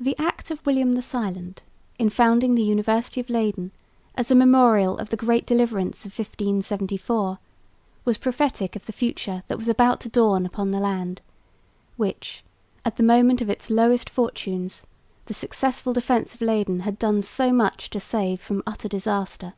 The act of William the Silent in founding the University of Leyden, as a memorial of the great deliverance of 1574, was prophetic of the future that was about to dawn upon the land, which, at the moment of its lowest fortunes, the successful defence of Leyden had done so much to save from utter disaster.